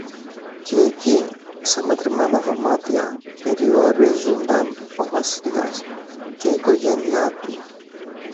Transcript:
Κι εκεί, σε μετρημένα δωμάτια, περιορίζουνταν ο Βασιλιάς και η οικογένεια του.